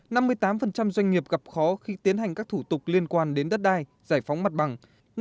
năm mươi tám doanh nghiệp gặp khó khi tiến hành các thủ tục liên quan đến đất đai giải phóng mặt bằng